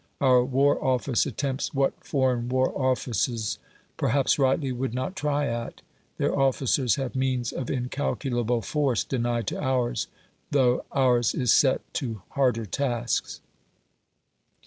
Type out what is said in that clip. Our War Office attempts what foreign War Offices (perhaps rightly) would not try at; their officers have means of incalculable force denied to ours, though ours is set to harder tasks.